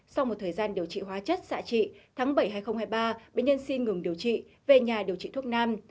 sau một thời gian điều trị hóa chất xạ trị tháng bảy hai nghìn hai mươi ba bệnh nhân xin ngừng điều trị về nhà điều trị thuốc nam